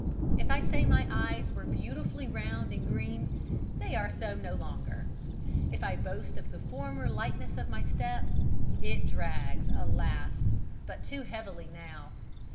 If I say my eyes were beautifully round and green, they are so no longer. If I boast of the former lightness of my step, it drags, alas! but too heavily now.